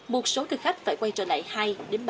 một số thực khách phải quay trở lại